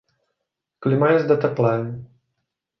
Klima je zde teplé.